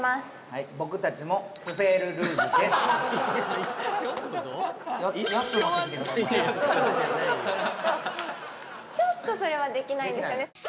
僕たちもちょっとそれはできないんですよね